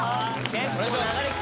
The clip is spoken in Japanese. お願いします